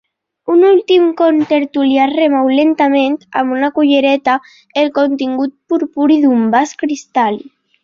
Un últim contertulià remou lentament, amb una cullereta, el contingut purpuri d'un vas cristal·lí.